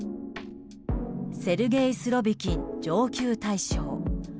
セルゲイ・スロビキン上級大将。